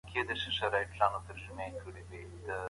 د اجناسو مقدار بايد په کيفي ډول هم ښه سي.